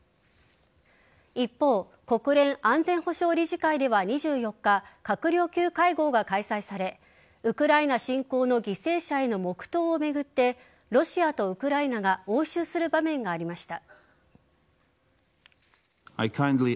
一方国連安全保障理事会では２４日閣僚級会合が開催されウクライナ侵攻の犠牲者への黙とうを巡ってロシアとウクライナが応酬する場面がありました。